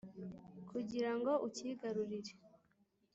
kugira ngo ucyigarurire,